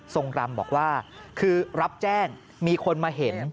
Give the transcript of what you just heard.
รำบอกว่าคือรับแจ้งมีคนมาเห็น